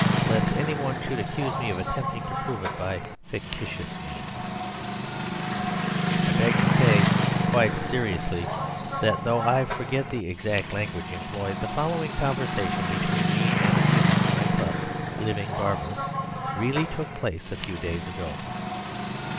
Lest any one should accuse me of attempting to prove it by fictitious means, I beg to say quite seriously that though I forget the exact language employed, the following conversation between me and a human (I trust), living barber really took place a few days ago.